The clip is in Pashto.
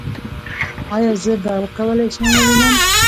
ایا زه به وکولی شم ووینم؟